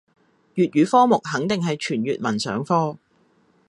粵語科目肯定係全粵文上課